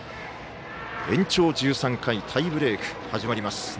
延長１３回タイブレークが始まります。